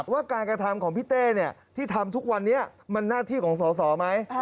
ว่าการกระทำของพี่เต้ที่ทำทุกวันนี้มันหน้าที่ของสอสอไหม